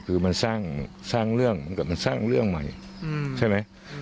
คือมันสร้างเรื่องมันสร้างเรื่องใหม่